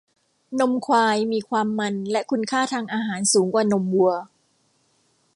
นมควายมีความมันและคุณค่าทางอาหารสูงกว่านมวัว